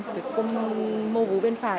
cái công mô vú bên phải